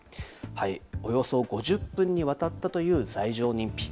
およそ５０分にわたったという罪状認否。